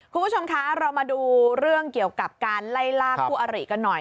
คุณผู้ชมคะเรามาดูเรื่องเกี่ยวกับการไล่ลากคู่อริกันหน่อย